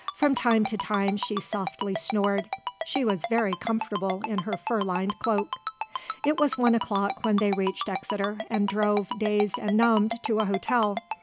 From time to time she softly snored. She was very comfortable in her fur lined cloak. It was one o'clock when they reached Exeter and drove, dazed and numbed, to a hotel.